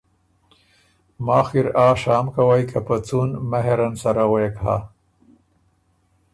ماخ کی ر آر شام کوئ که په څُون (مهر) ان سره غوېک هۀ“